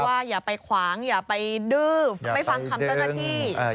ว่าอย่าไปขวางอย่าไปดื้อไปฟังคำตั้งแต่หน้าที่